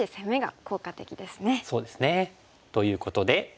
そうですね。ということで。